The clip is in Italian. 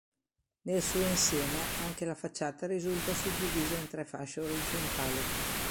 Nel suo insieme anche la facciata risulta suddivisa in tre fasce orizzontali.